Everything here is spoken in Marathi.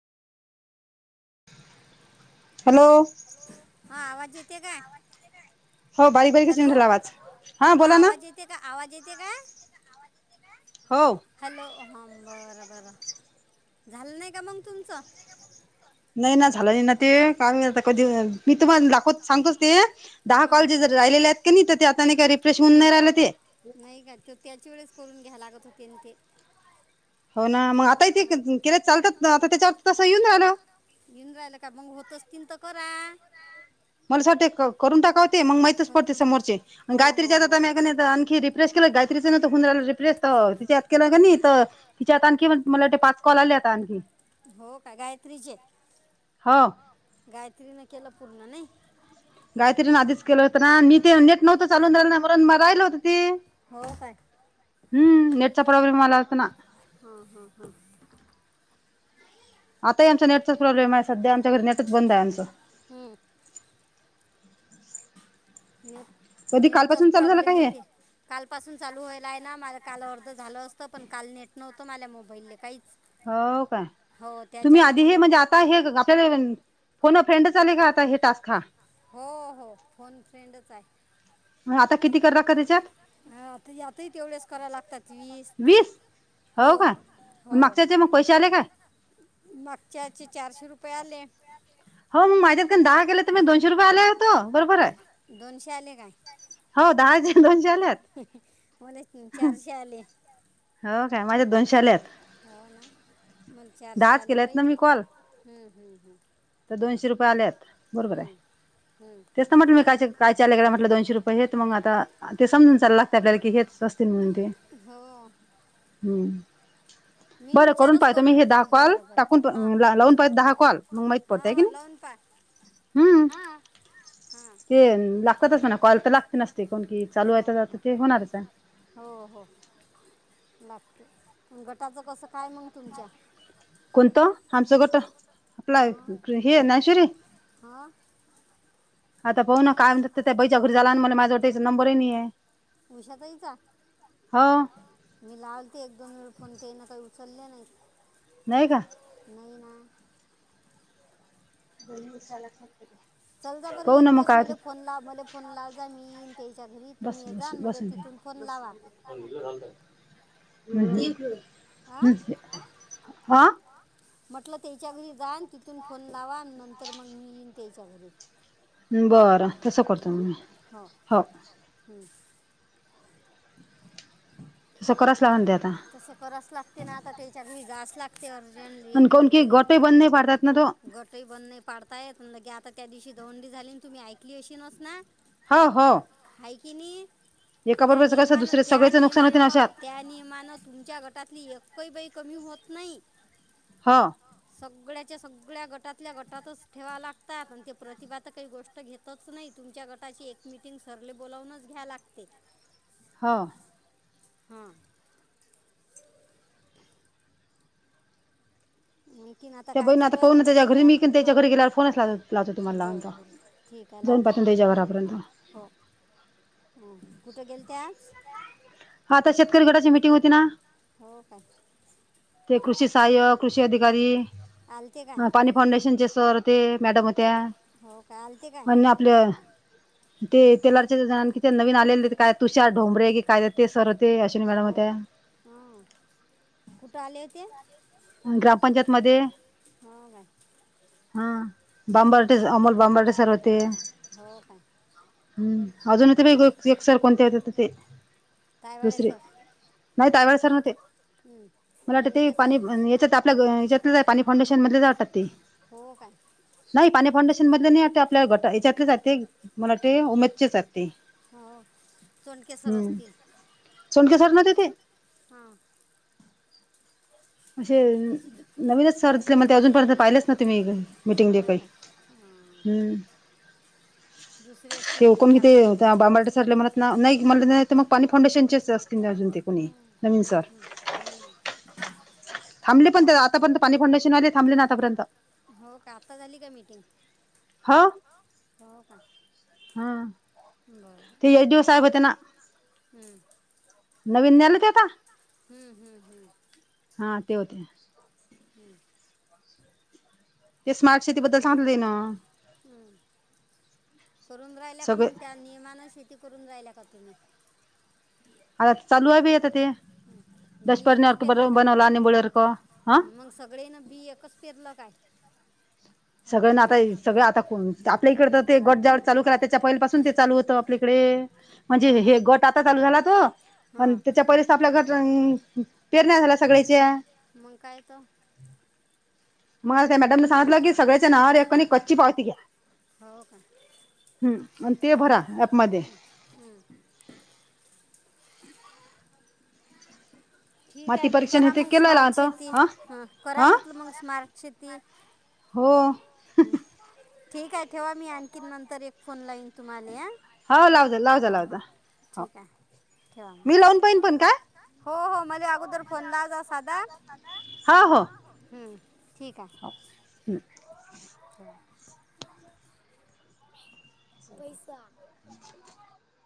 हॅलो. हां आवाज येते का? हो बारीक बारीकच येऊन हॅलो राहिला आवाज हा हां बोला ना आवाज येते का, आवाज येते काय? हो हॅलो अ. ह म बरं! बरं झालं नाही का मग तुमचं? नाही ना झालं नाही ना ते का मखइती आता कधी झा तुम्हाला दाखवत सांगतोस ते दहा हां कॉले जे जर राहिलेले आहेत की नई तर ते आता नाही का रिफ्रेश हून नाई राइला ते. नाय का तू त्याच्या वेळेस करून घ्या लागत होते न ते. हो ना. मग आता थे त केल्या चालतात आता अ त्याच्यावर तसं येऊन आल्यावर. येऊन राहिलं का मग होत असतील तर करा मला अस वाटे करून टाकावते मग माहितच कर पडते हं. समोरचे हो हो हो गयत्रीच्या आणखी रिप्रेस. गहि रिस तिच्यात केला तिच्यात आणी कल आण. गायत्रीने केलं पूर्ण नाही. गात्रीन आधीच केलं होतं ना नी ते नेट नव्हतं चालून झालं ना म्हरून म राहिलं होत तेी. हो काय हम्म नेटचा प्रॉब्लेम आला होता ना. आताही आमचं नेटचाच प्रॉब्लेम आहे सध्या आमच्या घरी नेटच बंद आहे आमचं. हं. कधी नेटचाच कालपासून चालू झालं का प्रॉब्लेम हे येते कालपसून चालू व्हायला आहे ना माझ्या कालवर. झालं असतं पण काल नट नव्हतं माझ मोबाईल. हो काय तुम्ही त्याच्यानं आधी हे मग म्हणजे आता हे आपल्याला फोन. फ्रेंड चाले का आता हे टास्का. चय. त्याच्यात हाता आताही तेवढ्याच करा लागतात वीस. हो का हो मागच्या ते मग पैसे आले काय मागच्याचे चारशे रुपययाले. हो मग माझ्यातण दहा केले तर मग दोनशे रुपये आले होतो बरोबर आहे. दोनशे आले काय हो दहा जे दोन जे आल्यात. म्ह चारशली. हो काय माझ्या दोन शालेत. म चारशहाले बाै. तर दोनशे रुपये आल्यात बरोबर आहे हम्म. तेस ना म्हटलं मी काय कायचे आल्याकडे म्हटलं दोनशे रुपये हे मग आता. ते समजून चायला लागते आपल्याला कि हेेत असते म्हणून ते हो हम्म मी बरं विचारच पाहतो मी करून हे ना. दहा कॉल बरं बरं टाकून हां लावून पाहित दहा कॉल मग माह पडतय हां की हां नाही. लावून पा हम्म हां हां ते लागतातच म्हणा कॉल तर लागते नसते कोण कि चालू हो आहेय हो ते होणारच आहे. हो हो लागते प गटाचं कसं काय मग तुमच्या. कोणतं आमचं गोट आपला हां हे नाशरी. [inaudible] आता पाह ना काय त्या बैच्या घरी झाला आणि म्ह माझ्या त्याचा नंबरही नाही आहे. उषाताईचा हो मी लावलते एक दोन वेळ फोन केही ना काही उचलले नाही. नाहीय का. नाही ना बोल ला. चल जा बर एक दिवस म फोन म फोन लाव जा मी त्याच्या घरी तुम्ही जा म तिथून. फोन लावा अलं. हां हा. म्हटलं त्याच्या घरी जान तिथून फोन लावा नंतर मग मी येईन त्याच्या घरी. बरं तसं करत हं? म्ही हो हं. तसं कराच लागन ते आता तस करास लागते ना आता त्याच्याार ह घास लागते आणि एक वेळ काऊन की तरी गटही बंद नाही पाडतात ना तो गट बंद नाही पाडताय. आता त्या दिवशी दोंडी झाली तुम्ही ऐकली अशी नस ना. हो हो. का क एका त्या बरोबरच कसं नियमानं दुसरे त्या सगळेच नुकसान होते नियमानं ना ह अशात त्या नियमानं तुमच्या गटातली एक काही बाई कमी होत नाही हां सगळ्याच्या सगळ्या गटातल्या गटातच ठेवा लागतात आणि ते प्रतिभात काही गोष्ट घेतच नाही तुम्ही तिच्या गटाची एक मिीटिंग सरले बोलावूनच घ्या लागते. ह हा आणखीन त्या काय बहीण चालू आता आहे पाह ना कुठं त्याच्या गेल घरी त्या मीण त्याच्या हो घरी गेल्यावर फोनच लातो तुम्हालाता बरं बरं ठीक आहे लाव जोन जा पतंत मला फोन तेजच्यावररापर्यंत [unintelligible] हो कुठे गेल त्याच आता शेतकरी गटाची मिटिंग होती ना हो काय ते कृषी सय कृषी अधिकारी आलते काय ह पाणी फाउंडेशनचे सर होते मॅडम होत्या हो काय आलते काय ्य आपले ते तेलरच्या जणि नवीन आलेले काय तुषार ढोंबरे की काय ते सर होते अश्विनी मॅडम हो होत्या काय [inaudible] हां कुठं आले होते ग्रामपंचायत मध्ये [inaudible] हो काय हा हं. बांबरटे अमोल बांबरटे सर होते हो काय हम्म अजून ते ब एकसर कोणते होते तर ते तायवाळे दुसरे सर नाही तयवळ सर नव्हते हं. मला वाटत ते चोंडके सर पाणी आप यात पाणी फाउंडेशन मध जातात ते ह, नाही पाणी फाउंडेशन मधले नाही आपल्या गट ह याच्यातलेचाते मला ते उमेदचेचाते हो चोण केसर अस असतील सन के सरनाते ते हां असे नवीनच सर दिसले म्हण ते अजूनपर्यंत पाहिलेच ना तुम्ही हो का ह ते कोण कि ते बांबारट सा म्हणत ना नाही म्हण मग पाणी फाउंडेशनचेच अजून ते कोणी हां नवीन सर हं, [inaudible] थांबले पणंत आतापर्यंत पाणी फाउंडेशनवाले थांबले ना आतापर्यंत का आत्ता झाली हो [inaudible] हो का का हा बरं ते एस. डि. ओ. साहेब होते ना हं, नवीन न्याला त्याता हं, हं, हं, हा ते होते हम्, ते स्मार्ट सिटी बद्दल सांगलेय ना [inaudible] हं. करून राहिल्या का सगळे मग त्या नियमानं शेती करून राहिल्या का तुम्ही आता चालू आहे बी आता ते बी एकच दशपरणीारख ब पेरलं का हां बनवला आणि बळारख मग सगळे न बी एकच पेरलं काय? सगळ्यांना आता सगळं ए, आता कोण आपल्या इकडे तर ते गट ज्यावर चालू करायच, त्याच्या पहिलपासून ते चालू होतं आपलेकडे. म्हणजे हो हे ना गट आता चालू झाला तो अन् हां त्याच्या परीस आपल्या घरं पेरण्या झाल्या सगळ्याच्या मग काय तर मला त्या मॅडमन सांगितलं की, सगळ्याच्या नावावर एक कणी कच्ची पावती घ्या. हो का हुं. आणि ते भरा ऍपमध्ये. ह [unintelligible] ठीक माती हाय बाई, परीक्षण हे करा ते मग केलं स्मार्ट लावत शेती. हा करा म्हटलं मग स्मार्ट शेती. हो हम् ठीक हाय ठेवा. मी आणखीन नंतर एक फोन लावीन तुम्हाला हा. हो लाव जा लाव जा लाव जा हो. ठीक आहे ठेवा मी लावून पाईन पण का? हॅलो, आगोदर फोन लाव जा साधा हा हो हू. ठीक हाय. चहा. पैसा.